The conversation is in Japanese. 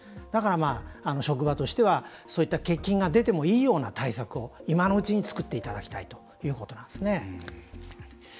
だから、職場としてはそういった欠勤が出てもいいような対策を今のうちに作っていただきたいということなんですね。